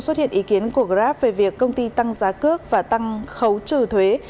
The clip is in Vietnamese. xuất hiện ý kiến của grab về việc công ty tăng giá cước và tăng khấu trừ thuế